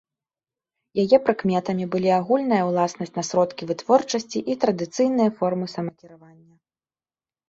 Яе прыкметамі былі агульная ўласнасць на сродкі вытворчасці і традыцыйныя формы самакіравання.